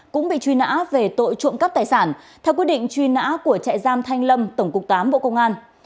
cũng bị truy nã về tội trộm cắp tài sản theo quyết định truy nã của trại giam thanh lâm tổng cục tám bộ công an